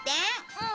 うん。